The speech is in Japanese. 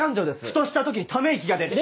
ふとした時にため息が出る！